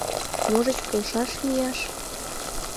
Можыч, полшаш мияш?